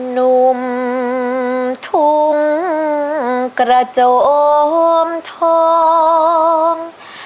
นุ่มทุ่มกระจวมทอง